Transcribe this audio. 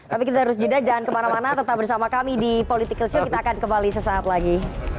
tapi kita harus jeda jangan kemana mana tetap bersama kami di political show kita akan kembali sesaat lagi